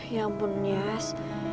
ya ampun yas